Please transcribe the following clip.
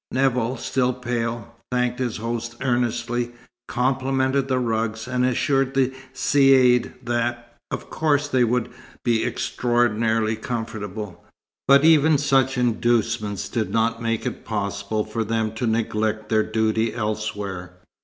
Nevill, still pale, thanked his host earnestly, complimented the rugs, and assured the Caïd that, of course, they would be extraordinarily comfortable, but even such inducements did not make it possible for them to neglect their duty elsewhere.